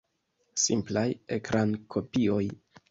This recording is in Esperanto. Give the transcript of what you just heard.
Simplaj ekrankopioj.